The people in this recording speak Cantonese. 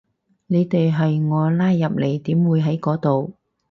你哋係我拉入嚟，點會喺嗰度